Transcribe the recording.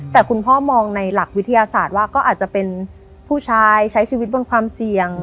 แต่คุณพ่อมองในหลักวิทยาศาสตร์ว่าก็อาจจะเป็นผู้ชายใช้ชีวิตบนความเสี่ยง